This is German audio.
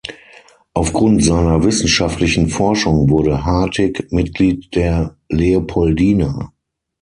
Aufgrund seiner wissenschaftlichen Forschung wurde Hartig Mitglied der Leopoldina.